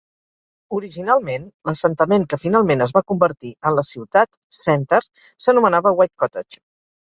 Originalment, l'assentament que finalment es va convertir en la ciutat Center s'anomenava White Cottage.